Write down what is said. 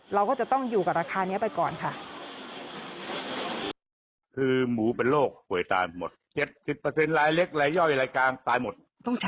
เราก็จะต้องอยู่กับราคานี้ไปก่อนค่ะ